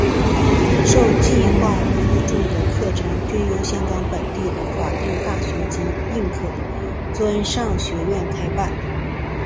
受计划资助的课程均由香港本地的法定大学及认可专上学院开办。